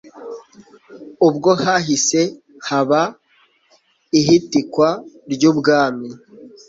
ubwo hahise haba ihitikwa ry'ubwami